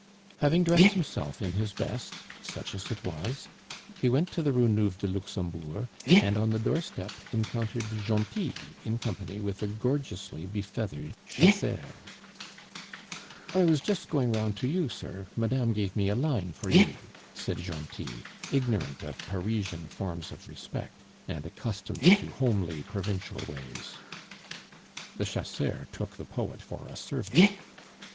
Having dressed himself in his best, such as it was, he went to the Rue Nueve de Luxembourg, and on the doorstep encountered Gentil in company with a gorgeously be feathered chasseur. "I was just going round to you, sir, madame gave me a line for you," said Gentil, ignorant of Parisian forms of respect, and accustomed to homely provincial ways. The chasseur took the poet for a servant.